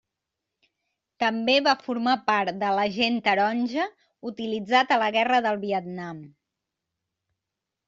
També va formar part de l'agent taronja utilitzat a la Guerra del Vietnam.